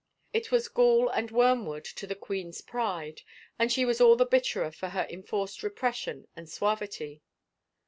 It was gall and wormwood to the queen's pride, and she was all the bitterer for her enforced repression and suavity.